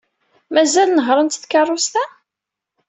Mazal nehhṛent takeṛṛust-a?